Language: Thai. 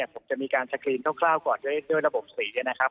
ผมจะมีการสกรีนคร่าวก่อนด้วยระบบสีนะครับ